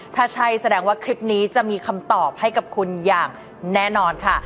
ถ้าใช่แสดงว่าคลิปนี้จะมีคำตอบให้กับคุณอย่างแน่นอนค่ะ